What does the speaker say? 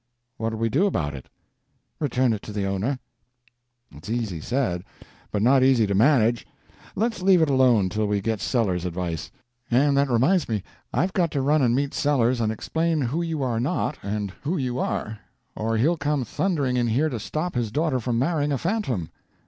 "What'll we do about it?" "Return it to the owner." "It's easy said, but not easy to manage. Let's leave it alone till we get Sellers's advice. And that reminds me. I've got to run and meet Sellers and explain who you are not and who you are, or he'll come thundering in here to stop his daughter from marrying a phantom.